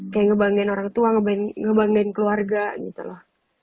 kayak ngebanggain orang tua ngebanggain keluarga gitu loh